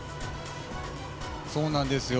そうなんですよ。